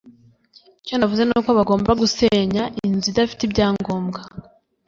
icyo navuze nuko bagomba gusenya inzu idafite ibyangombwa